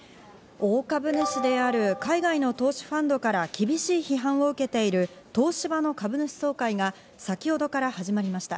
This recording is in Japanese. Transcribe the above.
大株主である海外の投資ファンドから厳しい批判を受けている東芝の株主総会が先ほどから始まりました。